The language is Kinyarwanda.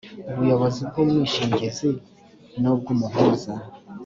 ubuyobozi bw umwishingizi n ubw umuhuza